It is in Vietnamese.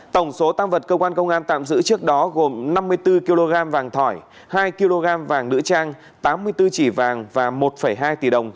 tổng số tăng vật cơ quan công an tạm giữ trước đó gồm năm mươi bốn kg vàng thỏi hai kg vàng nữ trang tám mươi bốn chỉ vàng và một hai tỷ đồng